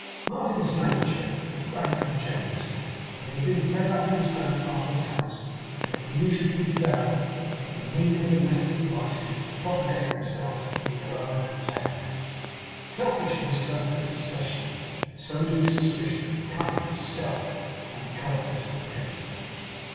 Martin's nature was a frank and generous one; but he had been bred up in his grandfather's house; and it will usually be found that the meaner domestic vices propagate themselves to be their own antagonists. Selfishness does this especially; so do suspicion, cunning, stealth, and covetous propensities.